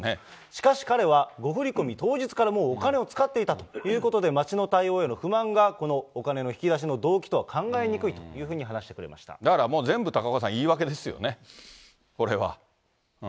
しかし、彼は誤振り込み当日からもうお金を使っていたということで、町の対応への不満がこのお金の引き出しの動機とは考えにくいといだからもう、全部、高岡さん、言い訳ですよね、これは。